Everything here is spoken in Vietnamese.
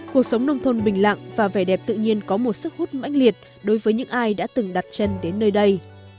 cuộc sống nông thôn bình lặng và vẻ đẹp tự nhiên có một sức hút mãnh liệt đối với những ai đã từng đặt chân đến nơi đây